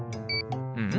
うん？